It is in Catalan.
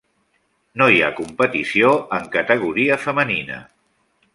No hi ha competició en categoria femenina.